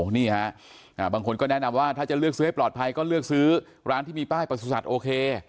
นี่ฮะบางคนก็แนะนำว่าถ้าจะเลือกซื้อให้ปลอดภัยก็เลือกซื้อร้านที่มีป้ายประสุทธิ์โอเค